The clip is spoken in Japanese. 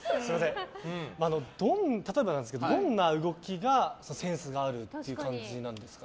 例えばなんですけどどんな動きがセンスがあるって感じなんですか。